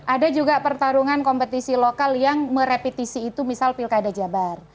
ada juga pertarungan kompetisi lokal yang merepetisi itu misal pilkada jabar